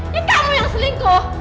ya kamu yang selingkuh